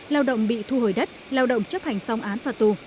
lao động bị thu hồi đất lao động chấp hành song án và tù